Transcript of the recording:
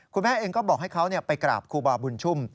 คุณแม่เองก็บอกให้เขาไปกราบครูบาบุญชุ่ม